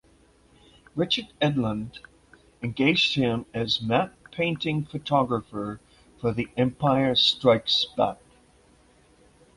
Richard Edlund engaged him as matte painting photographer for "The Empire Strikes Back".